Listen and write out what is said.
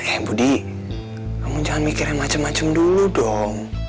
eh budi kamu jangan mikir yang macam macam dulu dong